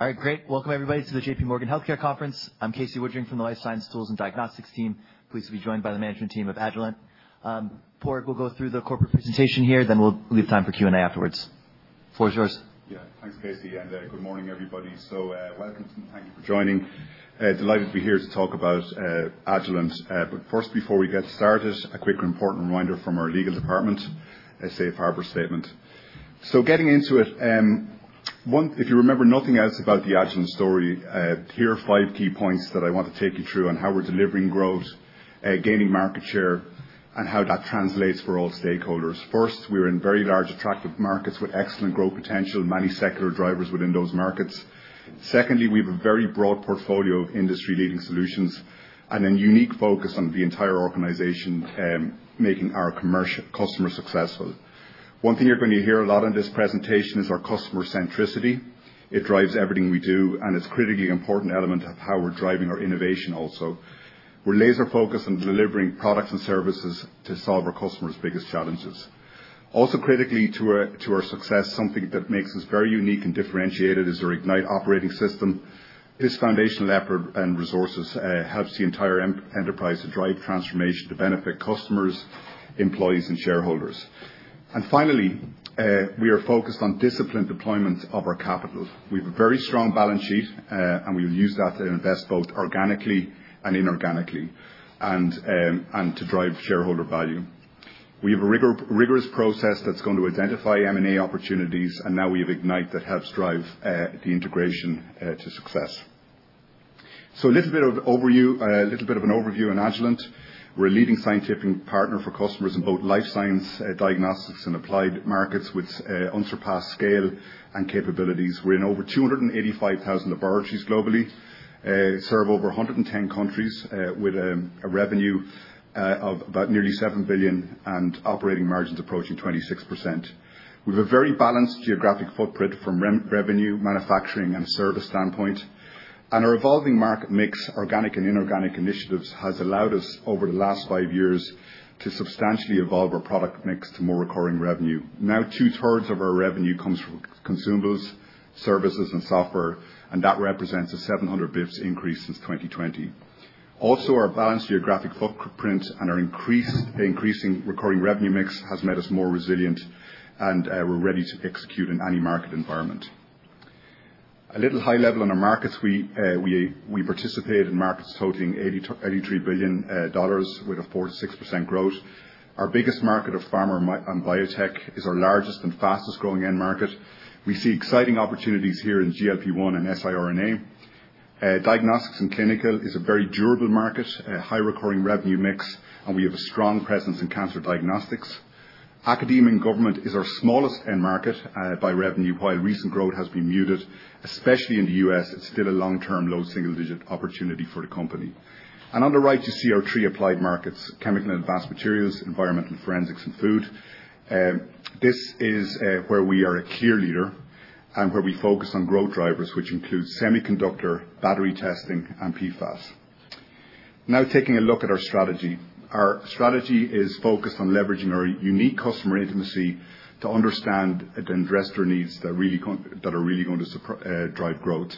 All right, great. Welcome, everybody, to the JPMorgan Healthcare Conference. I'm Casey Woodring from the Life Science Tools and Diagnostics team. Please be joined by the management team of Agilent. Porg will go through the corporate presentation here, then we'll leave time for Q&A afterwards. Floor is yours. Thanks, Casey and good morning, everybody. So, welcome and thank you for joining. Delighted to be here to talk about Agilent. But first, before we get started, a quick and important reminder from our legal department: a safe harbor statement. So, getting into it, one, if you remember nothing else about the Agilent story, here are five key points that I want to take you through on how we're delivering growth, gaining market share, and how that translates for all stakeholders. First, we're in very large, attractive markets with excellent growth potential, many secular drivers within those markets. Secondly, we have a very broad portfolio of industry-leading solutions and a unique focus on the entire organization, making our commercial customers successful. One thing you're going to hear a lot on this presentation is our customer-centricity. It drives everything we do, and it's a critically important element of how we're driving our innovation also. We're laser-focused on delivering products and services to solve our customers' biggest challenges. Also, critically to our success, something that makes us very unique and differentiated is our Ignite operating system. This foundational effort and resources helps the entire enterprise to drive transformation to benefit customers, employees, and shareholders. And finally, we are focused on disciplined deployment of our capital. We have a very strong balance sheet, and we will use that to invest both organically and inorganically and to drive shareholder value. We have a rigorous process that's going to identify M&A opportunities, and now we have Ignite that helps drive the integration to success. So, a little bit of overview, a little bit of an overview on Agilent. We're a leading scientific partner for customers in both life science, diagnostics, and applied markets with unsurpassed scale and capabilities. We're in over 285,000 laboratories globally, serve over 110 countries with a revenue of about nearly $7 billion and operating margins approaching 26%. We have a very balanced geographic footprint from revenue, manufacturing, and service standpoint. And our evolving market mix, organic and inorganic initiatives, has allowed us over the last five years to substantially evolve our product mix to more recurring revenue. Now, two-thirds of our revenue comes from consumables, services, and software, and that represents a 700 basis points increase since 2020. Also, our balanced geographic footprint and our increasing recurring revenue mix has made us more resilient, and we're ready to execute in any market environment. A little high level on our markets. We participate in markets totaling $80-$83 billion with a 4%-6% growth. Our biggest market of pharma and biotech is our largest and fastest-growing end market. We see exciting opportunities here in GLP-1 and siRNA. Diagnostics and clinical is a very durable market, a high recurring revenue mix, and we have a strong presence in cancer diagnostics. Academia and government is our smallest end market, by revenue, while recent growth has been muted, especially in the U.S. It's still a long-term, low single-digit opportunity for the company. And on the right, you see our three applied markets: chemical and advanced materials, environmental forensics, and food. This is where we are a clear leader and where we focus on growth drivers, which include semiconductor, battery testing, and PFAS. Now, taking a look at our strategy, our strategy is focused on leveraging our unique customer intimacy to understand and address their needs that really are really going to drive growth.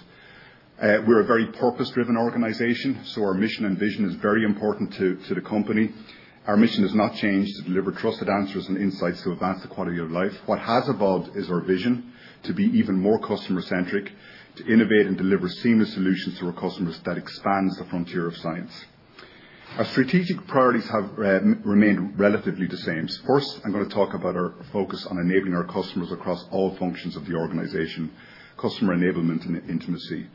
We're a very purpose-driven organization, so our mission and vision is very important to the company. Our mission has not changed to deliver trusted answers and insights to advance the quality of life. What has evolved is our vision to be even more customer-centric, to innovate and deliver seamless solutions to our customers that expands the frontier of science. Our strategic priorities have remained relatively the same. First, I'm going to talk about our focus on enabling our customers across all functions of the organization: customer enablement and intimacy.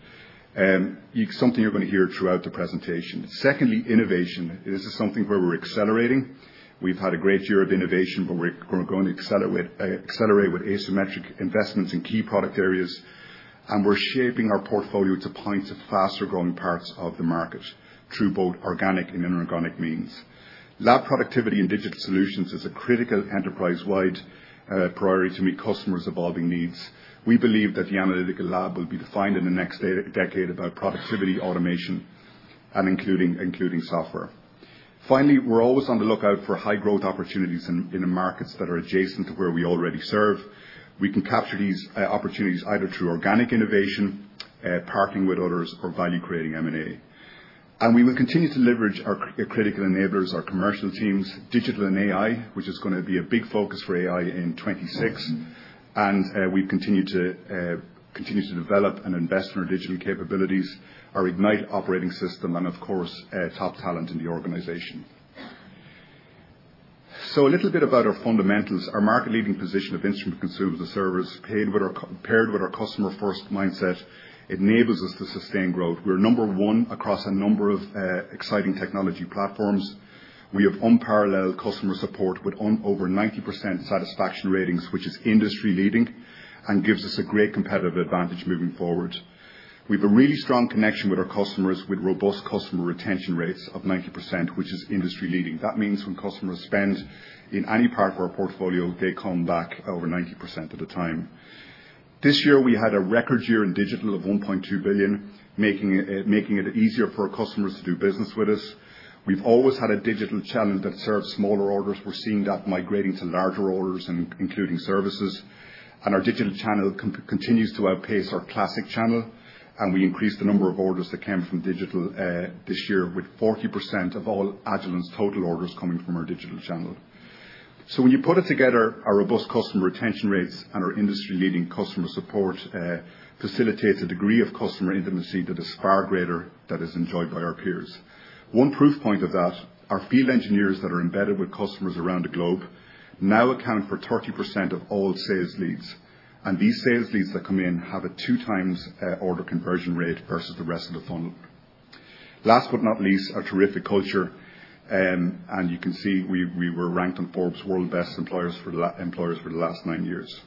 You something you're going to hear throughout the presentation. Secondly, innovation. This is something where we're accelerating. We've had a great year of innovation, but we're going to accelerate with asymmetric investments in key product areas, and we're shaping our portfolio to point to faster-growing parts of the market through both organic and inorganic means. Lab productivity and digital solutions is a critical enterprise-wide priority to meet customers' evolving needs. We believe that the analytical lab will be defined in the next decade about productivity, automation, and including software. Finally, we're always on the lookout for high-growth opportunities in the markets that are adjacent to where we already serve. We can capture these opportunities either through organic innovation, partnering with others, or value-creating M&A. And we will continue to leverage our critical enablers, our commercial teams, digital and AI, which is going to be a big focus for AI in 2026. We've continued to develop and invest in our digital capabilities, our Ignite operating system, and, of course, top talent in the organization. A little bit about our fundamentals. Our market-leading position of instrument consumables and services, paired with our customer-first mindset, enables us to sustain growth. We're number one across a number of exciting technology platforms. We have unparalleled customer support with over 90% satisfaction ratings, which is industry-leading and gives us a great competitive advantage moving forward. We have a really strong connection with our customers with robust customer retention rates of 90%, which is industry-leading. That means when customers spend in any part of our portfolio, they come back over 90% of the time. This year, we had a record year in digital of $1.2 billion, making it easier for our customers to do business with us. We've always had a digital channel that serves smaller orders. We're seeing that migrating to larger orders and including services, and our digital channel continues to outpace our classic channel, and we increased the number of orders that came from digital this year with 40% of all Agilent's total orders coming from our digital channel. So, when you put it together, our robust customer retention rates and our industry-leading customer support facilitate a degree of customer intimacy that is far greater than is enjoyed by our peers. One proof point of that, our field engineers that are embedded with customers around the globe now account for 30% of all sales leads. And these sales leads that come in have a two-times order conversion rate versus the rest of the funnel. Last but not least, our terrific culture. And you can see we were ranked on Forbes' world's best employers for the last nine years.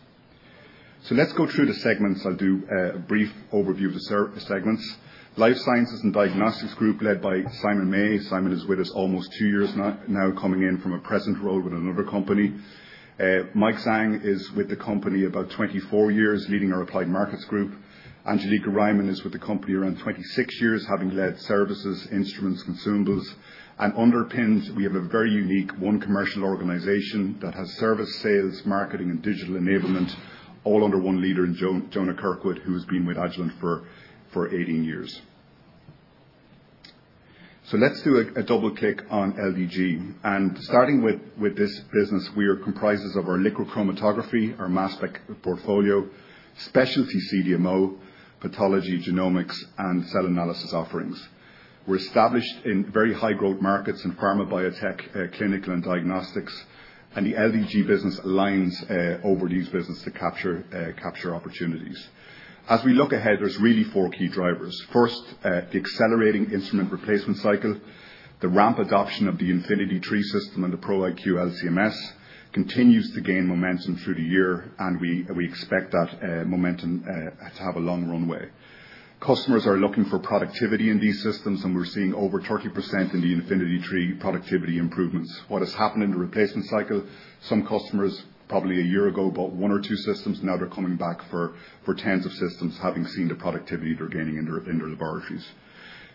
So, let's go through the segments. I'll do a brief overview of the segments. Life Sciences and Diagnostics Group led by Simon May. Simon is with us almost two years now, coming in from a previous role with another company. Mike Zhang is with the company about 24 years, leading our applied markets group. Angelica Riemann is with the company around 26 years, having led services, instruments, consumables. And underpinning, we have a very unique one commercial organization that has service, sales, marketing, and digital enablement all under one leader in Jona Kirkwood, who has been with Agilent for 18 years. So, let's do a double-click on LDG. Starting with this business, we are comprised of our liquid chromatography, our mass spec portfolio, specialty CDMO, pathology, genomics, and cell analysis offerings. We're established in very high-growth markets in pharma, biotech, clinical, and diagnostics, and the LDG business aligns over these businesses to capture opportunities. As we look ahead, there's really four key drivers. First, the accelerating instrument replacement cycle, the ramp adoption of the InfinityLab system and the LC/MSD iQ continues to gain momentum through the year, and we expect that momentum to have a long runway. Customers are looking for productivity in these systems, and we're seeing over 30% in the InfinityLab productivity improvements. What has happened in the replacement cycle? Some customers probably a year ago bought one or two systems. Now, they're coming back for tens of systems, having seen the productivity they're gaining in their laboratories.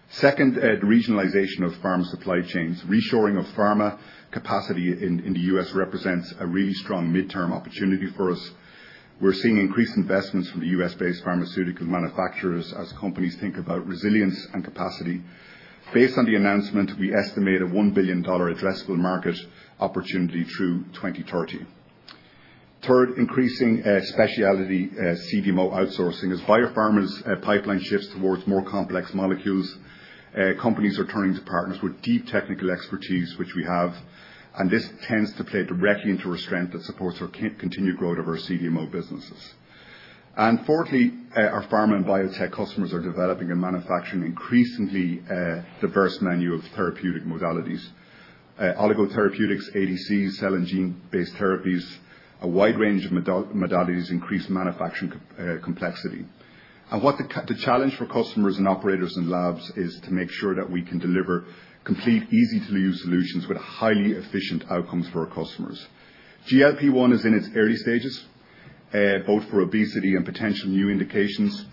Second, the regionalization of pharma supply chains. Reshoring of pharma capacity in the U.S. represents a really strong midterm opportunity for us. We're seeing increased investments from the U.S.-based pharmaceutical manufacturers as companies think about resilience and capacity. Based on the announcement, we estimate a $1 billion addressable market opportunity through 2030. Third, increasing specialty CDMO outsourcing as biopharma's pipeline shifts towards more complex molecules. Companies are turning to partners with deep technical expertise, which we have, and this tends to play directly into our strength that supports our continue growth of our CDMO businesses. And fourthly, our pharma and biotech customers are developing and manufacturing increasingly diverse menu of therapeutic modalities. Oligotherapeutics, ADCs, cell and gene-based therapies, a wide range of modalities, increased manufacturing complexity. What’s the challenge for customers and operators and labs is to make sure that we can deliver complete, easy-to-use solutions with highly efficient outcomes for our customers. GLP-1 is in its early stages, both for obesity and potential new indications.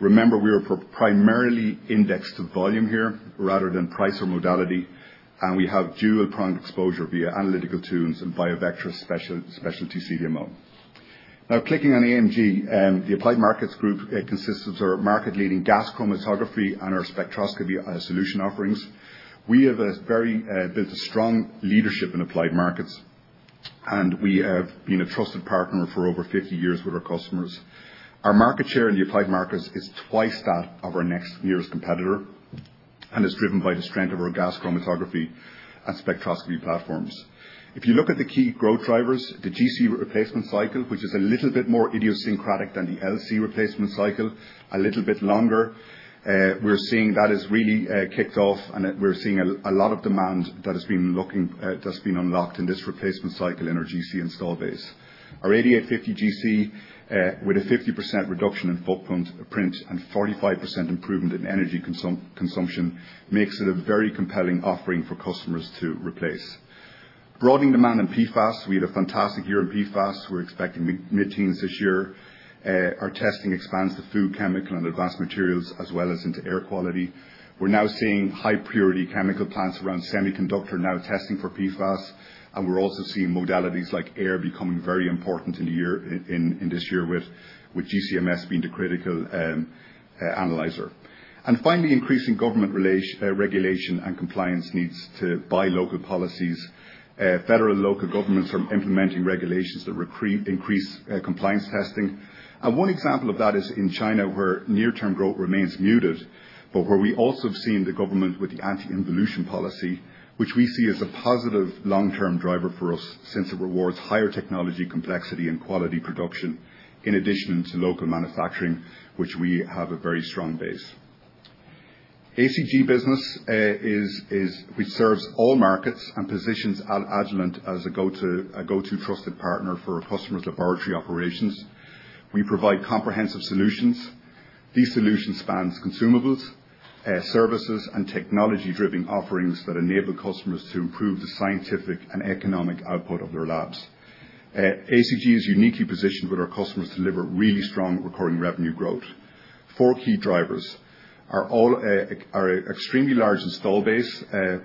Remember, we are primarily indexed to volume here rather than price or modality, and we have dual-pronged exposure via analytical tools and BioVectra specialty CDMO. Now, clicking on AMG: The Applied Markets Group consists of our market-leading gas chromatography and our spectroscopy solution offerings. We very much built a strong leadership in applied markets, and we have been a trusted partner for over 50 years with our customers. Our market share in the applied markets is twice that of our next nearest competitor, and it's driven by the strength of our gas chromatography and spectroscopy platforms. If you look at the key growth drivers, the GC replacement cycle, which is a little bit more idiosyncratic than the LC replacement cycle, a little bit longer, we're seeing that has really kicked off, and we're seeing a lot of demand that has been looking that's been unlocked in this replacement cycle in our GC install base. Our 8850 GC, with a 50% reduction in footprint and 45% improvement in energy consumption makes it a very compelling offering for customers to replace. Broadening demand in PFAS, we had a fantastic year in PFAS. We're expecting mid-teens this year. Our testing expands to food, chemical, and advanced materials as well as into air quality. We're now seeing high-priority chemical plants around semiconductor now testing for PFAS, and we're also seeing modalities like air becoming very important in this year with GCMS being the critical analyzer. And finally, increasing government regulation and compliance needs due to buy local policies. Federal and local governments are implementing regulations that create increased compliance testing. And one example of that is in China, where near-term growth remains muted, but where we also have seen the government with the anti-involution policy, which we see as a positive long-term driver for us since it rewards higher technology complexity and quality production in addition to local manufacturing, which we have a very strong base. ACG business, which serves all markets and positions Agilent as a go-to trusted partner for our customers' laboratory operations. We provide comprehensive solutions. These solutions span consumables, services, and technology-driven offerings that enable customers to improve the scientific and economic output of their labs. ACG is uniquely positioned with our customers to deliver really strong recurring revenue growth. Four key drivers are extremely large installed base and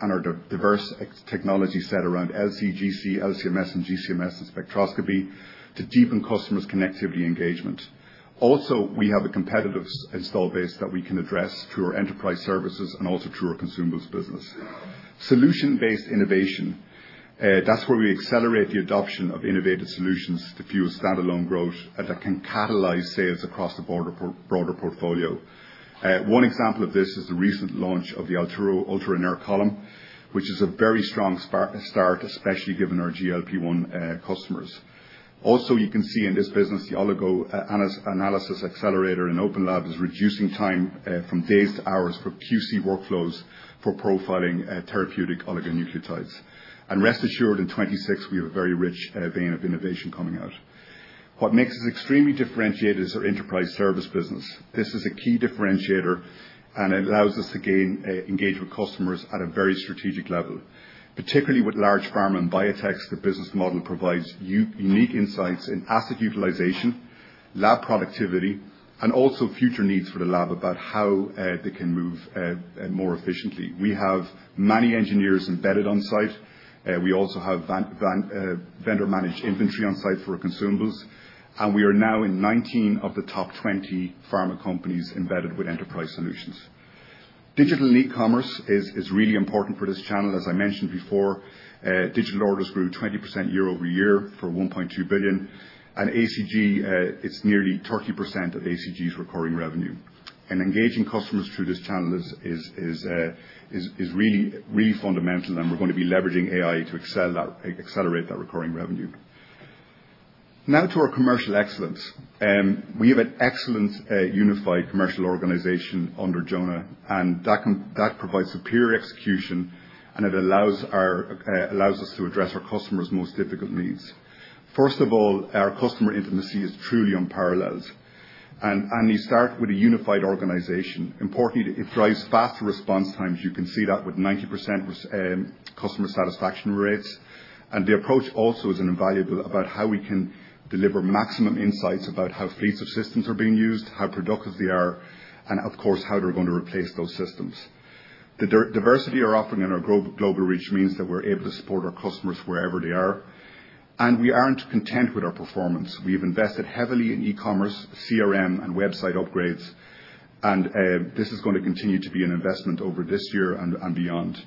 diverse technology set around LC, GC, LCMS, and GCMS and spectroscopy to deepen customers' connectivity engagement. Also, we have a competitive installed base that we can address through our enterprise services and also through our consumables business. Solution-based innovation, that's where we accelerate the adoption of innovative solutions to fuel standalone growth that can catalyze sales across the broader portfolio. One example of this is the recent launch of the Altero Ultra Inert Column, which is a very strong start, especially given our GLP-1 customers. Also, you can see in this business, the oligo-analysis accelerator in OpenLab is reducing time, from days to hours for QC workflows for profiling, therapeutic oligonucleotides. And rest assured, in 2026, we have a very rich vein of innovation coming out. What makes us extremely differentiated is our enterprise service business. This is a key differentiator, and it allows us to gain, engage with customers at a very strategic level. Particularly with large pharma and biotechs, the business model provides a unique insights in asset utilization, lab productivity, and also future needs for the lab about how they can move more efficiently. We have many engineers embedded on site. We also have vendor-managed inventory on site for our consumables, and we are now in 19 of the top 20 pharma companies embedded with enterprise solutions. Digital and e-commerce is really important for this channel. As I mentioned before, digital orders grew 20% year over year for $1.2 billion, and ACG, it's nearly 30% of ACG's recurring revenue. Engaging customers through this channel is really fundamental, and we're going to be leveraging AI to accelerate that recurring revenue. Now to our commercial excellence. We have an excellent, unified commercial organization under Jona, and that provides superior execution, and it allows us to address our customers' most difficult needs. First of all, our customer intimacy is truly unparalleled. You start with a unified organization. Importantly, it drives faster response times. You can see that with 90% customer satisfaction rates. And the approach also is invaluable about how we can deliver maximum insights about how fleets of systems are being used, how productive they are, and, of course, how they're going to replace those systems. The diversity of our offering and our global reach means that we're able to support our customers wherever they are. And we aren't content with our performance. We've invested heavily in e-commerce, CRM, and website upgrades, and this is going to continue to be an investment over this year and beyond.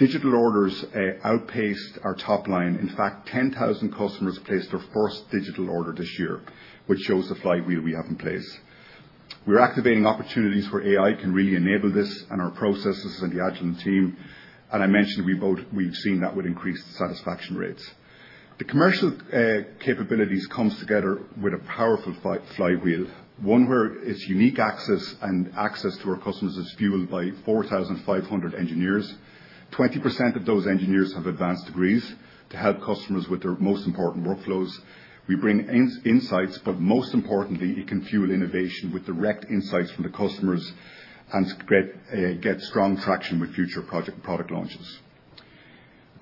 Digital orders outpaced our top line. In fact, 10,000 customers placed their first digital order this year, which shows the flywheel we have in place. We're activating opportunities where AI can really enable this and our processes and the Agilent team. And I mentioned we've both seen that with increased satisfaction rates. The commercial capabilities come together with a powerful flywheel. One where its unique access and access to our customers is fueled by 4,500 engineers. 20% of those engineers have advanced degrees to help customers with their most important workflows. We bring insights, but most importantly, it can fuel innovation with direct insights from the customers and to create, get strong traction with future project product launches.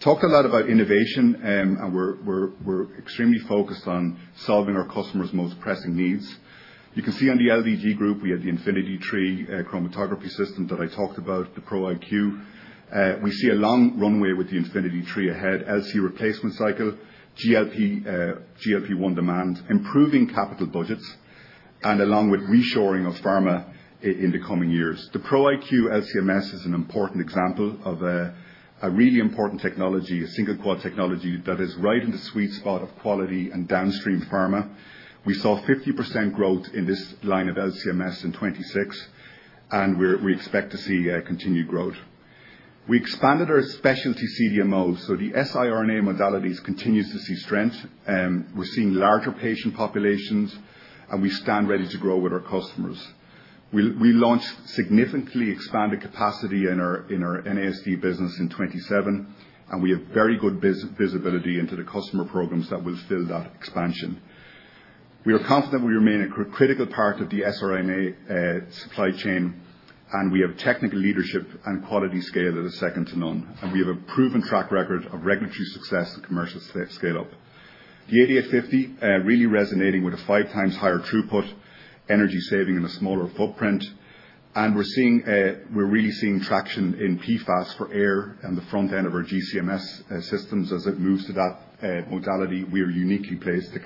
Talked a lot about innovation, and we're, we're, we're extremely focused on solving our customers' most pressing needs. You can see on the LDG group, we have the InfinityLab chromatography system that I talked about, the iQ. We see a long runway with the InfinityLab ahead, LC replacement cycle, GLP-1 demand, improving capital budgets, and along with reshoring of pharma in the coming years. The LC/MSD iQ is an important example of a really important technology, a single-quad technology that is right in the sweet spot of quality and downstream pharma. We saw 50% growth in this line of LCMS in 2026, and we expect to see continued growth. We expanded our specialty CDMO, so the siRNA modalities continues to see strength. We're seeing larger patient populations, and we stand ready to grow with our customers. We launched significantly expanded capacity in our NASD business in 2027, and we have very good visibility into the customer programs that will fill that expansion. We are confident we remain a critical part of the siRNA supply chain, and we have technical leadership and quality scale that are second to none, and we have a proven track record of regulatory success and commercial scale-up. The 8850, really resonating with a five times higher throughput, energy saving in a smaller footprint. We're seeing, we're really seeing traction in PFAS for air and the front end of our GCMS systems as it moves to that modality. We are uniquely placed to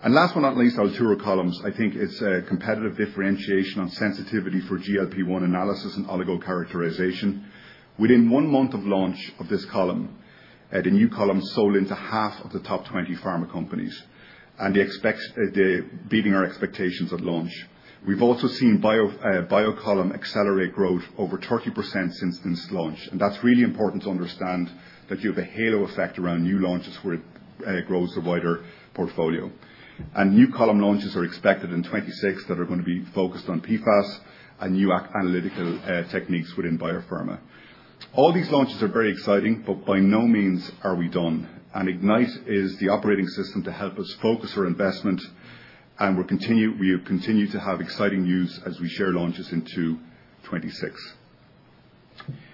capitalize. Last but not least, Altero Columns, I think it's a competitive differentiation on sensitivity for GLP-1 analysis and oligocharacterization. Within one month of launch of this column, the new column sold into half of the top 20 pharma companies, and they're exceeding our expectations at launch. We've also seen bio column accelerate growth over 30% since its launch, and that's really important to understand that you have a halo effect around new launches where it grows the wider portfolio. New column launches are expected in 2026 that are going to be focused on PFAS and new analytical techniques within biopharma. All these launches are very exciting, but by no means are we done. Ignite is the operating system to help us focus our investment, and we continue to have exciting news as we share launches into 2026.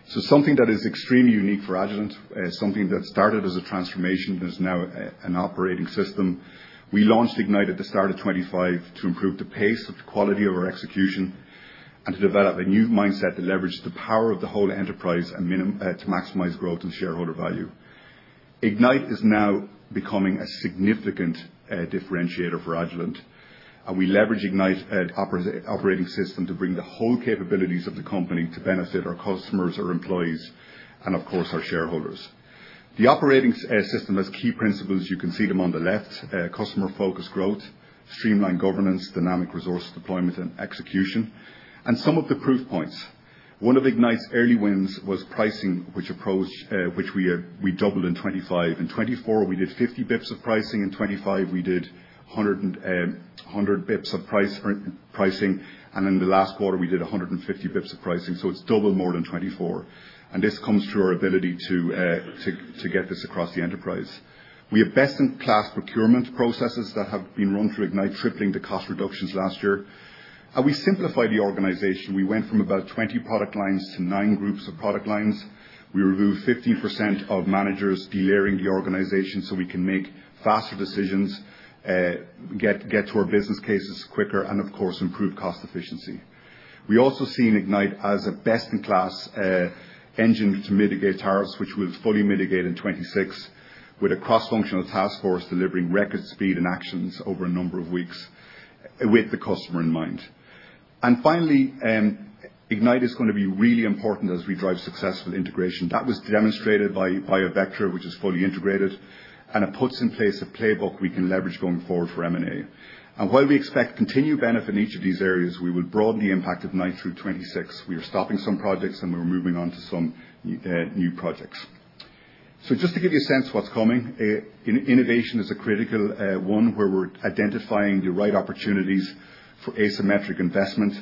Something that is extremely unique for Agilent, something that started as a transformation and is now an operating system. We launched Ignite at the start of 2025 to improve the pace of the quality of our execution and to develop a new mindset that leverages the power of the whole enterprise and in order to maximize growth and shareholder value. Ignite is now becoming a significant differentiator for Agilent, and we leverage Ignite operating system to bring the whole capabilities of the company to benefit our customers, our employees, and of course, our shareholders. The operating system has key principles. You can see them on the left, customer-focused growth, streamlined governance, dynamic resource deployment and execution, and some of the proof points. One of Ignite's early wins was pricing, which we doubled in 2025. In 2024, we did 50 basis points of pricing. In 2025, we did 100 basis points of pricing, and in the last quarter, we did 150 basis points of pricing, so it's double more than 2024. This comes through our ability to get this across the enterprise. We have best-in-class procurement processes that have been run through Ignite, tripling the cost reductions last year. And we simplified the organization. We went from about 20 product lines to nine groups of product lines. We removed 15% of managers delayering the organization so we can make faster decisions, get to our business cases quicker, and of course, improve cost efficiency. We also see Ignite as a best-in-class engine to mitigate tariffs, which we'll fully mitigate in 2026 with a cross-functional task force delivering record speed and actions over a number of weeks, with the customer in mind. And finally, Ignite is going to be really important as we drive successful integration. That was demonstrated by BioVectra which is fully integrated and it puts in place a playbook we can leverage going forward for M&A. And while we expect continued benefit in each of these areas, we will broaden the impact of Ignite through 2026. We are stopping some projects, and we're moving on to some new projects, so just to give you a sense of what's coming, innovation is a critical one where we're identifying the right opportunities for asymmetric investment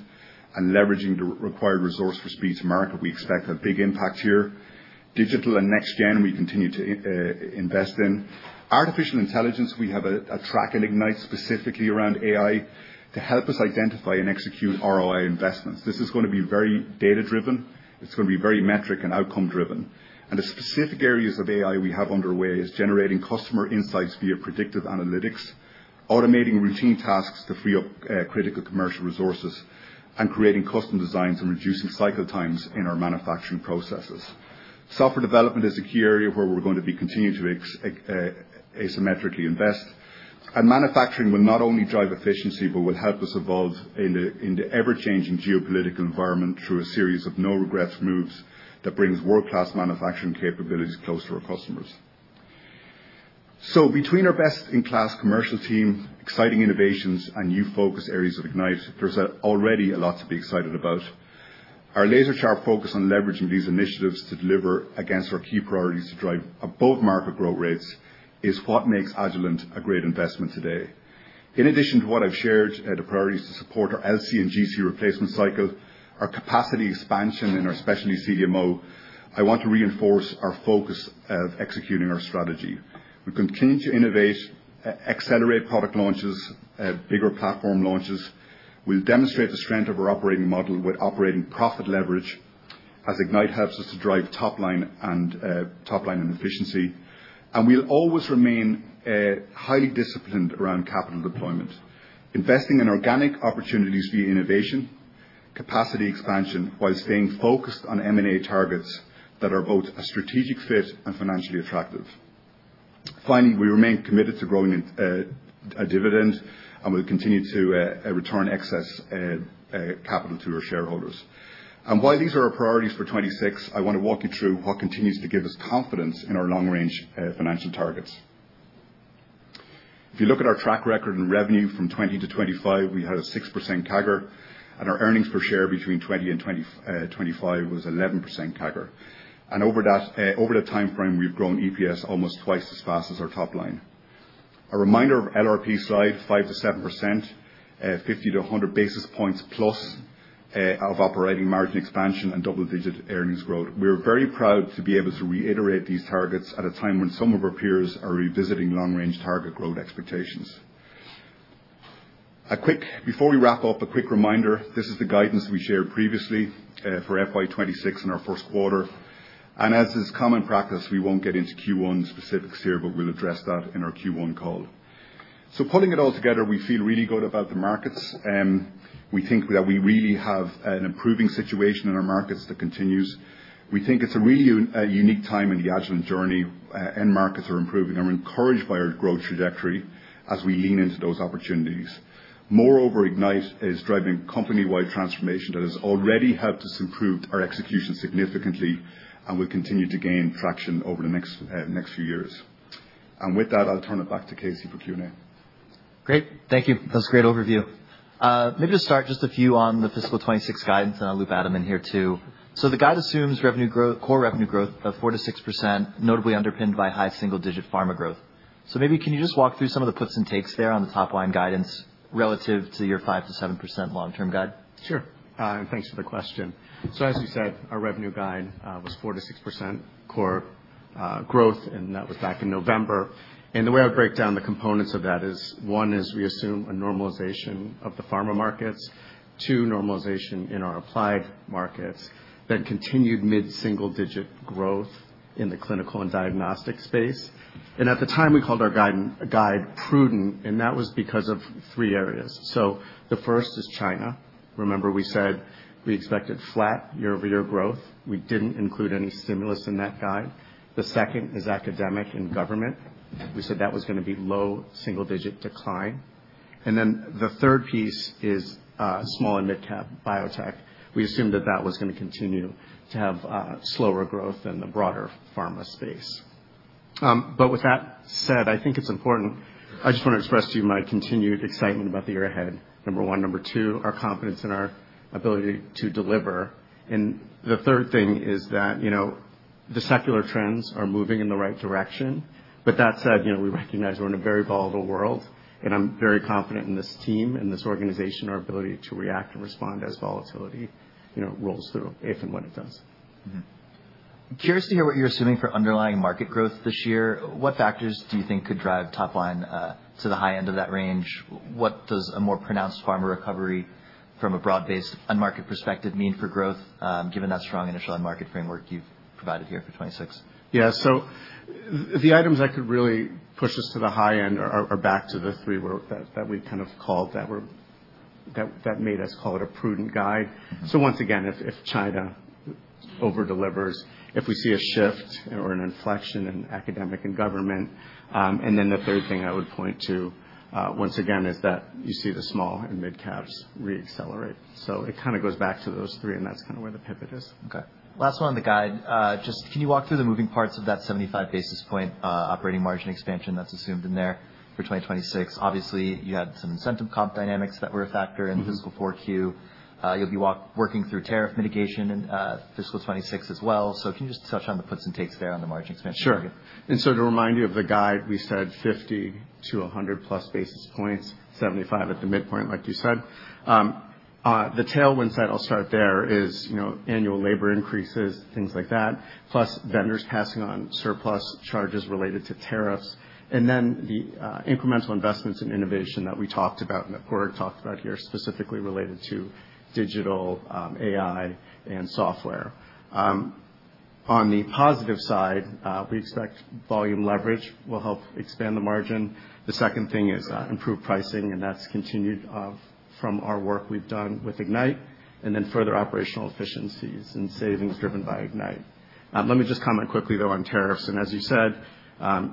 and leveraging the required resource for speed to market. We expect a big impact here. Digital and next-gen, we continue to invest in. Artificial intelligence, we have a track in Ignite specifically around AI to help us identify and execute ROI investments. This is going to be very data-driven. It's going to be very metric and outcome-driven, and the specific areas of AI we have underway is generating customer insights via predictive analytics, automating routine tasks to free up critical commercial resources, and creating custom designs and reducing cycle times in our manufacturing processes. Software development is a key area where we're going to be continuing to asymmetrically invest. Manufacturing will not only drive efficiency but will help us evolve in the ever-changing geopolitical environment through a series of no-regrets moves that brings world-class manufacturing capabilities closer to our customers. So between our best-in-class commercial team, exciting innovations, and new focus areas of Ignite, there's already a lot to be excited about. Our laser-sharp focus on leveraging these initiatives to deliver against our key priorities to drive above-market growth rates is what makes Agilent a great investment today. In addition to what I've shared, the priorities to support our LC and GC replacement cycle, our capacity expansion in our specialty CDMO, I want to reinforce our focus of executing our strategy. We continue to innovate, accelerate product launches, bigger platform launches. We'll demonstrate the strength of our operating model with operating profit leverage as Ignite helps us to drive top line and bottom line efficiency. We'll always remain highly disciplined around capital deployment, investing in organic opportunities via innovation, capacity expansion, while staying focused on M&A targets that are both a strategic fit and financially attractive. Finally, we remain committed to growing in a dividend, and we'll continue to return excess capital to our shareholders. And while these are our priorities for 2026, I want to walk you through what continues to give us confidence in our long-range financial targets. If you look at our track record and revenue from 2020 to 2025, we had a 6% CAGR, and our earnings per share between 2020 and 2025 was 11% CAGR. And over that timeframe, we've grown EPS almost twice as fast as our top line. A reminder of LRP slide, 5%-7%, 50-100 basis points plus of operating margin expansion and double-digit earnings growth. We are very proud to be able to reiterate these targets at a time when some of our peers are revisiting long-range target growth expectations. A quick before we wrap up, a quick reminder, this is the guidance we shared previously, for FY26 in our Q1. And as is common practice, we won't get into Q1 specifics here, but we'll address that in our Q1 call, so pulling it all together, we feel really good about the markets. We think that we really have an improving situation in our markets that continues. We think it's a really a unique time in the Agilent journey. End markets are improving. I'm encouraged by our growth trajectory as we lean into those opportunities. Moreover, Ignite is driving company-wide transformation that has already helped us improve our execution significantly and will continue to gain traction over the next few years. And with that, I'll turn it back to Casey for Q&A. Great. Thank you. That was a great overview. Maybe to start, just a few on the FY26 guidance, and I'll loop Adam in here too. So the guide assumes revenue growth, core revenue growth of 4%-6%, notably underpinned by high single-digit pharma growth. So maybe can you just walk through some of the puts and takes there on the top line guidance relative to your 5%-7% long-term guide? Sure. And thanks for the question. So as you said, our revenue guide was 4%-6% core growth, and that was back in November. And the way I would break down the components of that is one is we assume a normalization of the pharma markets, two normalization in our applied markets, then continued mid-single-digit growth in the clinical and diagnostic space. At the time, we called our guidance guide prudent, and that was because of three areas. So the first is China. Remember, we said we expected flat year-over-year growth. We didn't include any stimulus in that guide. The second is academic and government. We said that was going to be low single-digit decline. And then the third piece is, small and mid-cap biotech. We assumed that that was going to continue to have, slower growth in the broader pharma space. But with that said, I think it's important, I just want to express to you my continued excitement about the year ahead. Number one. Number two, our confidence in our ability to deliver. And the third thing is that, you know, the secular trends are moving in the right direction. But that said, you know, we recognize we're in a very volatile world, and I'm very confident in this team and this organization, our ability to react and respond as volatility, you know, rolls through, if and when it does. Mm-hmm. Curious to hear what you're assuming for underlying market growth this year. What factors do you think could drive top line to the high end of that range? What does a more pronounced pharma recovery from a broad-based end-market perspective mean for growth, given that strong initial end-market framework you've provided here for 2026? So the items that could really push us to the high end are back to the three that we kind of called out that made us call it a prudent guide. So once again, if China overdelivers, if we see a shift or an inflection in academic and government, and then the third thing I would point to, once again, is that you see the small and mid-caps reaccelerate. So it kind of goes back to those three, and that's kind of where the pivot is. Okay. Last one on the guide. Just, can you walk through the moving parts of that 75 basis points operating margin expansion that's assumed in there for 2026? Obviously, you had some incentive comp dynamics that were a factor in FY Q4. You'll be working through tariff mitigation in FY26 as well. So can you just touch on the puts and takes there on the margin expansion target? Sure.And so to remind you of the guide, we said 50 to 100 plus basis points, 75 at the midpoint, like you said. The tailwind side, I'll start there, is, you know, annual labor increases, things like that, plus vendors passing on surplus charges related to tariffs, and then the incremental investments in innovation that we talked about and that Porg talked about here specifically related to digital, AI and software. On the positive side, we expect volume leverage will help expand the margin. The second thing is, improved pricing, and that's continued, from our work we've done with Ignite and then further operational efficiencies and savings driven by Ignite. Let me just comment quickly, though, on tariffs. And as you said,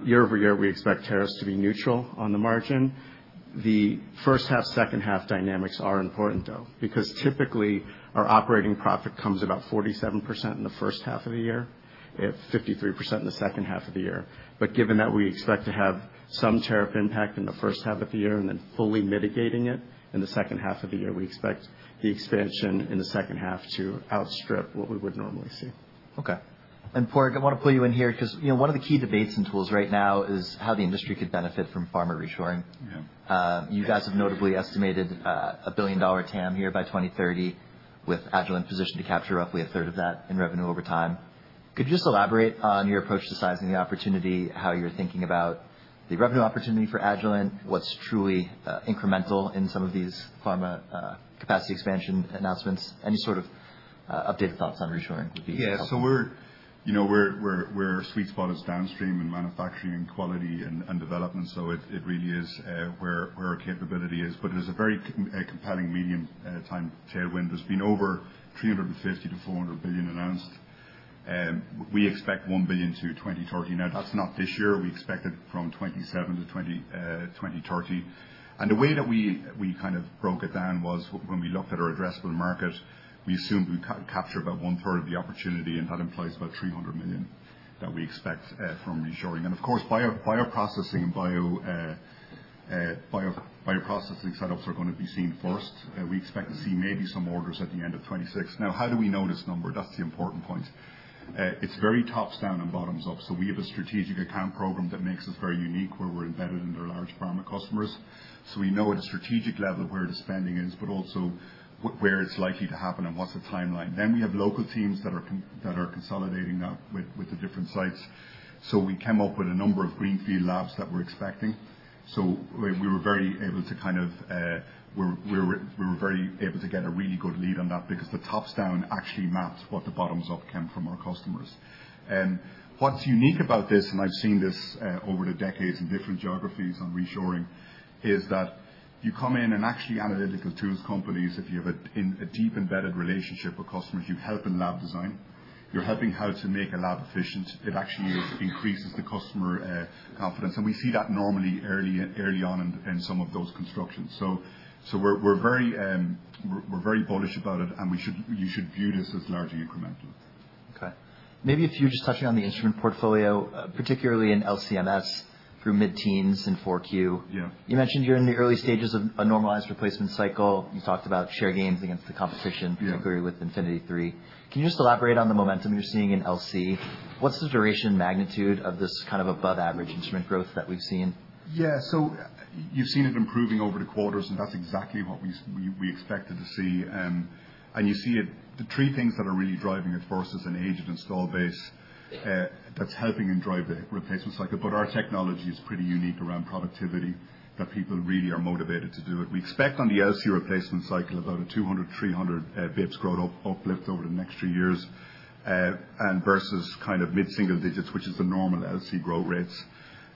year over year, we expect tariffs to be neutral on the margin. The H1, H2 dynamics are important, though, because typically our operating profit comes about 47% in the H1 of the year and 53% in the H2 of the year. But given that we expect to have some tariff impact in the H1 of the year and then fully mitigating it in the H2 of the year, we expect the expansion in the H2 to outstrip what we would normally see. Okay. And Porg, I want to pull you in here because, you know, one of the key debates and tools right now is how the industry could benefit from pharma reshoring. Yeah. You guys have notably estimated a $1 billion TAM here by 2030 with Agilent positioned to capture roughly a third of that in revenue over time. Could you just elaborate on your approach to sizing the opportunity, how you're thinking about the revenue opportunity for Agilent, what's truly incremental in some of these pharma capacity expansion announcements? Any sort of updated thoughts on reshoring would be helpful. So we're, you know, our sweet spot is downstream and manufacturing and quality and development. So it really is where our capability is. But it is a very compelling medium-term tailwind. There's been over $350-$400 billion announced. We expect $1 billion to 2030. Now, that's not this year. We expect it from 2027 to 2030. And the way that we kind of broke it down was when we looked at our addressable market, we assumed we could capture about one-third of the opportunity, and that implies about $300 million that we expect from reshoring. And of course, bioprocessing setups are going to be seen first. We expect to see maybe some orders at the end of 2026. Now, how do we know this number? That's the important point. It's very top down and bottom up. So we have a strategic account program that makes us very unique where we're embedded in our large pharma customers. So we know at a strategic level where the spending is, but also what, where it's likely to happen and what's the timeline. Then we have local teams that are consolidating that with the different sites. So we came up with a number of greenfield labs that we're expecting. We were very able to get a really good lead on that because the top-down actually maps what the bottom-up came from our customers, and what's unique about this, and I've seen this over the decades in different geographies on reshoring, is that you come in and actually, analytical tools companies, if you have a deeply embedded relationship with customers, you help in lab design, you're helping how to make a lab efficient. It actually increases the customer confidence, and we see that normally early on in some of those constructions. We're very bullish about it, and you should view this as largely incremental. Okay. Maybe a few just touching on the instrument portfolio, particularly in LCMS through mid-teens and Q4. Yeah. You mentioned you're in the early stages of a normalized replacement cycle. You talked about share gains against the competition, particularly with InfinityLab. Can you just elaborate on the momentum you're seeing in LC? What's the duration and magnitude of this kind of above-average instrument growth that we've seen? So you've seen it improving over the quarters, and that's exactly what we expected to see. And you see it, the three things that are really driving it. First is an aged install base, that's helping in driving the replacement cycle. But our technology is pretty unique around productivity that people really are motivated to do it. We expect on the LC replacement cycle about a 200-300 basis points growth uplift over the next few years, and versus kind of mid-single digits, which is the normal LC growth rates.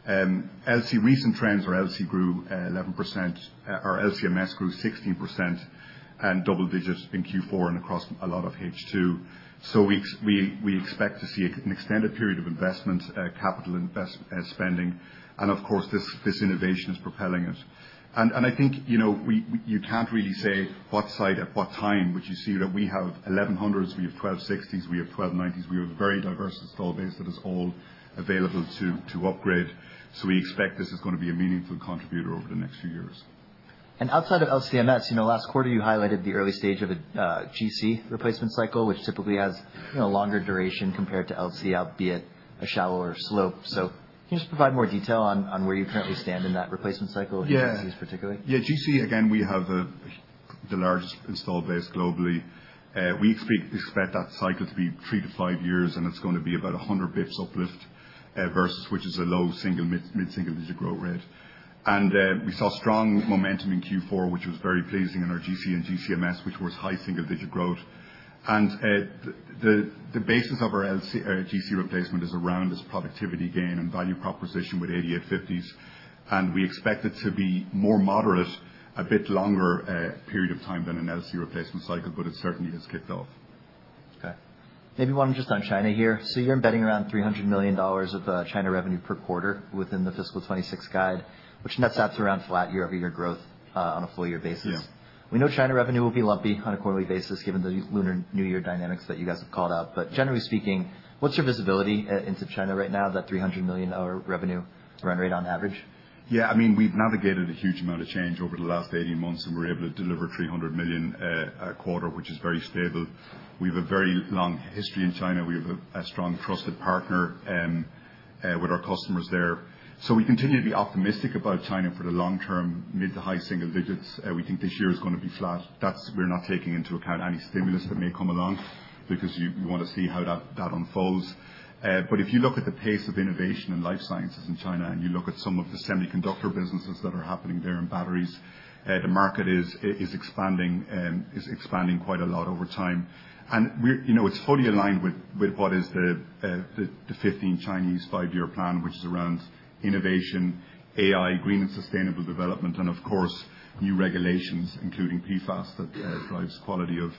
LC recent trends are LC grew 11%, or LCMS grew 16% and double digits in Q4 and across a lot of H2, so we expect to see an extended period of investment, capital investment spending, and I think, you know, you can't really say what's the at what time would you see that we have 1100s, we have 1260s, we have 1290s. We have a very diverse installed base that is all available to upgrade, so we expect this is going to be a meaningful contributor over the next few years, and outside of LCMS, you know, last quarter you highlighted the early stage of a GC replacement cycle, which typically has, you know, longer duration compared to LC, albeit a shallower slope. Can you just provide more detail on where you currently stand in that replacement cycle in GCs particularly? GC, again, we have the largest install base globally. We expect that cycle to be three to five years, and it's going to be about 100 basis points uplift, versus which is a low single, mid-single digit growth rate. We saw strong momentum in Q4, which was very pleasing in our GC and GCMS, which was high single-digit growth. The basis of our LC, GC replacement is around this productivity gain and value proposition with 8850s. We expect it to be more moderate, a bit longer period of time than an LC replacement cycle, but it certainly has kicked off. Okay. Maybe one just on China here. So you're embedding around $300 million of China revenue per quarter within the FY26 guide, which nets out to around flat year-over-year growth, on a full-year basis. We know China revenue will be lumpy on a quarterly basis given the lunar new year dynamics that you guys have called out. But generally speaking, what's your visibility into China right now, that 300 million revenue run rate on average? We've navigated a huge amount of change over the last 18 months, and we're able to deliver 300 million a quarter, which is very stable. We have a very long history in China. We have a strong trusted partner with our customers there. So we continue to be optimistic about China for the long term, mid to high single digits. We think this year is going to be flat. is, we're not taking into account any stimulus that may come along because you want to see how that unfolds. If you look at the pace of innovation in life sciences in China and you look at some of the semiconductor businesses that are happening there in batteries, the market is expanding quite a lot over time. We're, you know, it's fully aligned with what is the 15 Chinese five-year plan, which is around innovation, AI, green and sustainable development, and of course, new regulations, including PFAS that drives quality of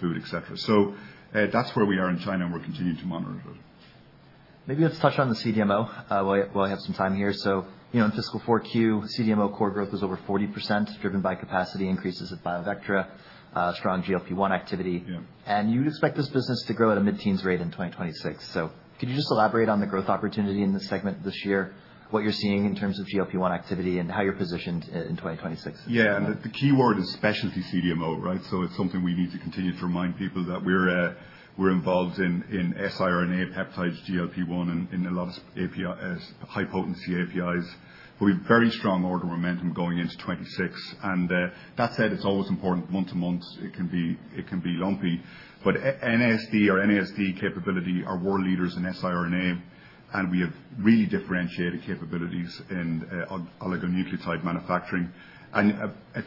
food, etc. That's where we are in China, and we're continuing to monitor it. Maybe let's touch on the CDMO, while we have some time here. So, you know, in FY Q4, CDMO core growth was over 40%, driven by capacity increases at BioVectra, strong GLP-1 activity. Yeah. And you'd expect this business to grow at a mid-teens rate in 2026. So could you just elaborate on the growth opportunity in the segment this year, what you're seeing in terms of GLP-1 activity and how you're positioned in 2026? And the key word is specialty CDMO, right? So it's something we need to continue to remind people that we're involved in siRNA peptides, GLP-1, and a lot of API, high potency APIs. But we have very strong order momentum going into 2026. And, that said, it's always important month to month. It can be lumpy. But NASD, our NASD capability are world leaders in siRNA, and we have really differentiated capabilities in oligonucleotide manufacturing.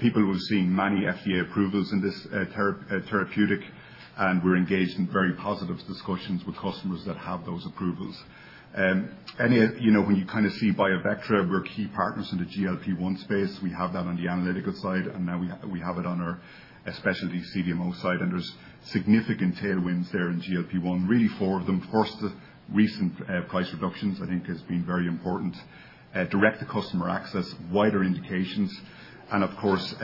People will have seen many FDA approvals in this therapeutic, and we're engaged in very positive discussions with customers that have those approvals. You know, when you kind of see BioVectra, we're key partners in the GLP-1 space. We have that on the analytical side, and now we have it on our specialty CDMO side. There's significant tailwinds there in GLP-1, really four of them. First, the recent price reductions, I think, has been very important, direct-to-consumer access, wider indications, and of course,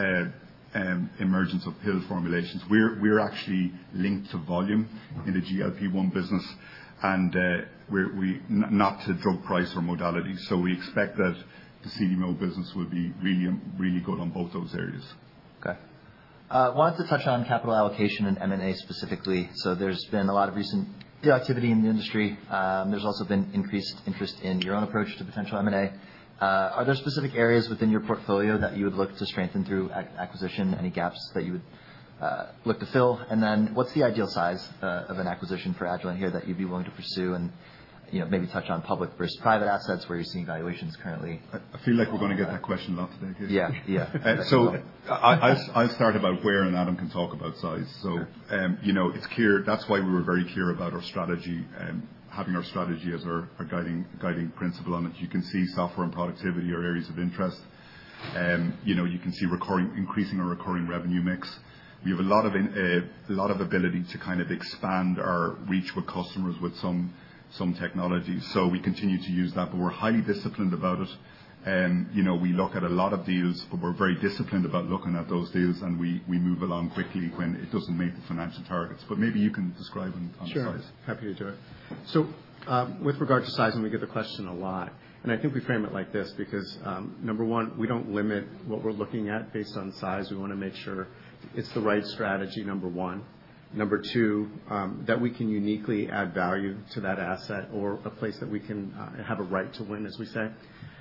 emergence of pill formulations. We're actually linked to volume in the GLP-1 business, and we're not tied to drug price or modalities. We expect that the CDMO business will be really, really good on both those areas. Okay. Wanted to touch on capital allocation and M&A specifically. There's been a lot of recent deal activity in the industry. There's also been increased interest in your own approach to potential M&A. Are there specific areas within your portfolio that you would look to strengthen through acquisition, any gaps that you would look to fill? And then what's the ideal size of an acquisition for Agilent here that you'd be willing to pursue and, you know, maybe touch on public versus private assets where you're seeing valuations currently? I feel like we're going to get that question a lot today, okay? So I'll start about where and Adam can talk about size. So, you know, it's clear. That's why we were very clear about our strategy, having our strategy as our guiding principle on it. You can see software and productivity are areas of interest. You know, you can see recurring, increasing our recurring revenue mix. We have a lot of ability to kind of expand our reach with customers with some technologies. So we continue to use that, but we're highly disciplined about it. You know, we look at a lot of deals, but we're very disciplined about looking at those deals, and we move along quickly when it doesn't meet the financial targets. But maybe you can describe on size. Sure. Happy to do it. So, with regard to sizing, we get the question a lot, and I think we frame it like this because, number one, we don't limit what we're looking at based on size. We want to make sure it's the right strategy, number one. Number two, that we can uniquely add value to that asset or a place that we can have a right to win, as we say.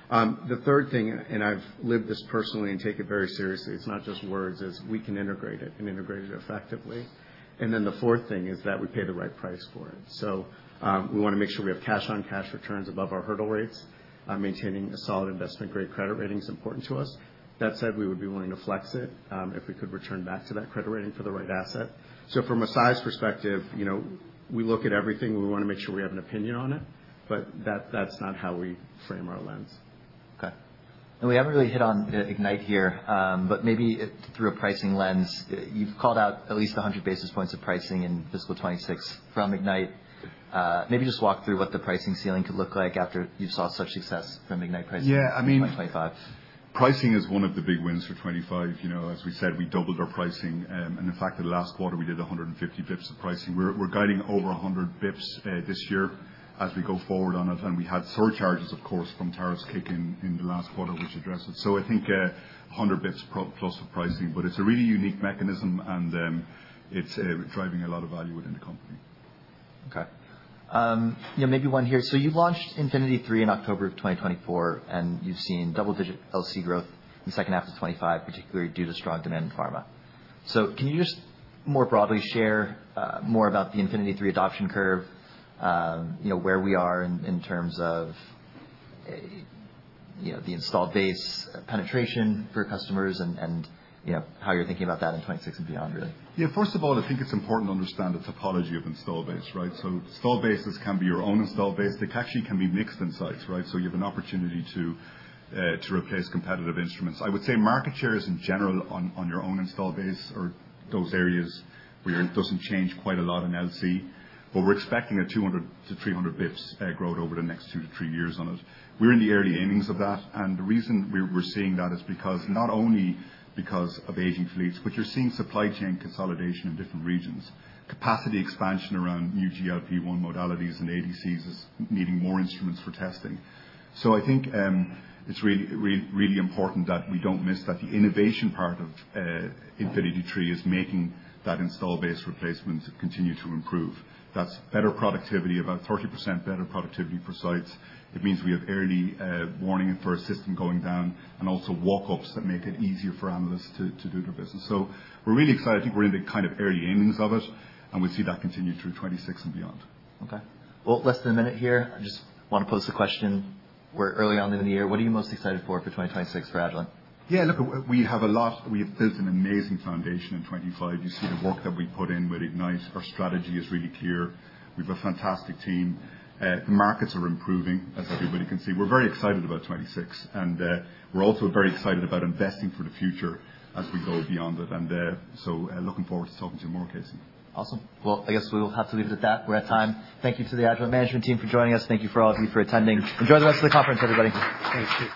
The third thing, and I've lived this personally and take it very seriously, it's not just words, is we can integrate it and integrate it effectively. And then the fourth thing is that we pay the right price for it. So, we want to make sure we have cash-on-cash returns above our hurdle rates. Maintaining a solid investment-grade credit rating is important to us. That said, we would be willing to flex it, if we could return back to that credit rating for the right asset. So from a size perspective, you know, we look at everything. We want to make sure we have an opinion on it, but that, that's not how we frame our lens. Okay. And we haven't really hit on Ignite here, but maybe through a pricing lens, you've called out at least 100 basis points of pricing in FY26 from Ignite. Maybe just walk through what the pricing ceiling could look like after you've saw such success from Ignite pricing. Pricing is one of the big wins for 2025. You know, as we said, we doubled our pricing, and in fact, the last quarter we did 150 basis points of pricing. We're guiding over 100 basis points this year as we go forward on it. And we had surcharges, of course, from tariffs kick in in the last quarter, which addressed it. So I think 100 basis points plus of pricing, but it's a really unique mechanism, and it's driving a lot of value within the company. You know, maybe one here. So you launched InfinityLab in October of 2024, and you've seen double-digit LC growth in the H2 of 2025, particularly due to strong demand in pharma. So can you just more broadly share more about the InfinityLab adoption curve, you know, where we are in terms of, you know, the installed base penetration for customers and, you know, how you're thinking about that in 2026 and beyond, really? YFirst of all, I think it's important to understand the typology of installed base, right? So installed bases can be your own installed base. They actually can be mixed installs, right? So you have an opportunity to replace competitive instruments. I would say market shares in general on your own installed base are those areas where it doesn't change quite a lot in LC. But we're expecting 200 to 300 basis points growth over the next two to three years on it. We're in the early innings of that. And the reason we're seeing that is because not only because of aging fleets, but you're seeing supply chain consolidation in different regions. Capacity expansion around new GLP-1 modalities and ADCs is needing more instruments for testing. So I think it's really, really, really important that we don't miss that the innovation part of Infinity III is making that installed base replacement continue to improve. That's better productivity, about 30% better productivity per sites. It means we have early warning for a system going down and also walk-ups that make it easier for analysts to do their business. So we're really excited. I think we're in the kind of early innings of it, and we see that continue through 2026 and beyond. Okay. Well, less than a minute here. I just want to pose a question. We're early on in the year. What are you most excited for for 2026 for Agilent? Look, we have a lot. We have built an amazing foundation in 2025. You see the work that we put in with Ignite. Our strategy is really clear. We have a fantastic team. The markets are improving, as everybody can see. We're very excited about 2026, and we're also very excited about investing for the future as we go beyond it, and so looking forward to talking to you more, Casey. Awesome, well, I guess we will have to leave it at that. We're at time. Thank you to the Agilent management team for joining us. Thank you for all of you for attending. Enjoy the rest of the conference, everybody. Thank you.